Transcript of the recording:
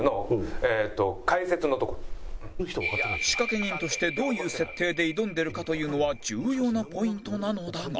仕掛け人としてどういう設定で挑んでるかというのは重要なポイントなのだが